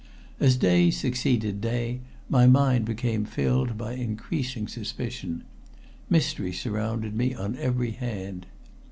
As day succeeded day, my mind became filled by increasing suspicion. Mystery surrounded me on every hand.